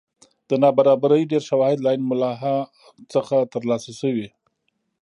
د نابرابرۍ ډېر شواهد له عین ملاحا څخه ترلاسه شوي.